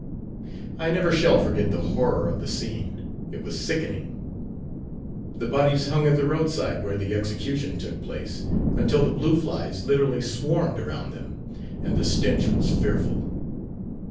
I never shall forget the horror of the scene it was sickening. The bodies hung at the roadside, where the execution took place, until the blue flies literally swarmed around them, and the stench was fearful.